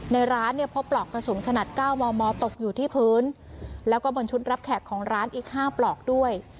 ในร้านเนี่ยพบปลอกกระสุนขนาด๙มมตกอยู่ที่พื้นแล้วก็บนชุดรับแขกของร้านอีก๕ปลอกด้วย